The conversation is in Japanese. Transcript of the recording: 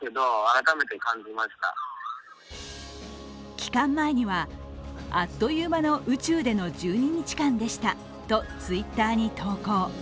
帰還前には、あっという間の宇宙での１２日間でしたとＴｗｉｔｔｅｒに投稿。